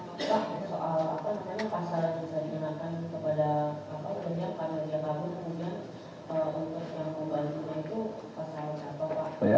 pada setiap tahun mungkin